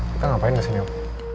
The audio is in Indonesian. kita ngapain disini om